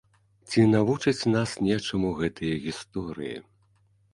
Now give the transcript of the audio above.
Ці навучаць нас нечаму гэтыя гісторыі?